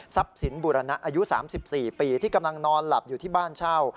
สินบูรณะอายุ๓๔ปีที่กำลังนอนหลับอยู่ที่บ้านเช่า